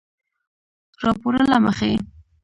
راپورله مخې